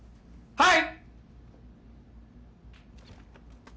はい！